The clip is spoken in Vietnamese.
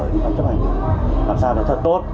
hướng dẫn chấp hành làm sao cho thật tốt